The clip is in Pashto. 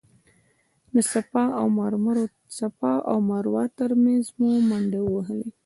د صفا او مروه تر مینځ مو منډې ووهلې.